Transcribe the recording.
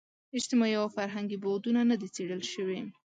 اجتماعي او فرهنګي بعدونه نه دي څېړل شوي.